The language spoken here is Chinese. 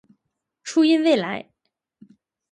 初音未来